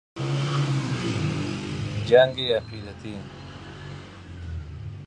جنگ عقیدتی